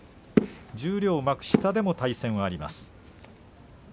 十両、幕下でも対戦があります。